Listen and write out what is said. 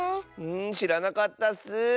しらなかったッス！